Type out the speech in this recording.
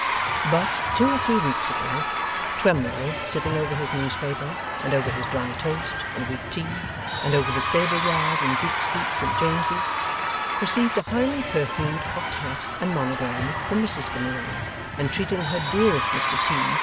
But, two or three weeks ago, Twemlow, sitting over his newspaper, and over his dry toast and weak tea, and over the stable yard in Duke Street, St James's, received a highly perfumed cocked hat and monogram from Mrs Veneering, entreating her dearest Mr T.